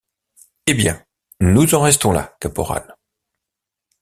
Eh bien! nous en restons là, Caporal...